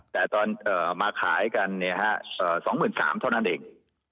แต่ตอนมาขายกันเนี่ยฮะ๒๓๐๐๐เท่านั้นเอง